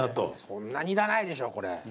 そんなにいらないでしょうこれ。